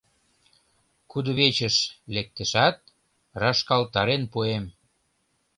Кудывечыш лектешат, рашкалтарен пуэм.